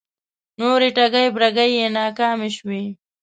نورې ټگۍ برگۍ یې ناکامې شوې